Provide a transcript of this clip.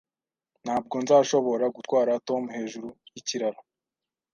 Ntabwo nzashobora gutwara Tom hejuru yikiraro